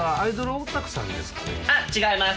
あっ違います。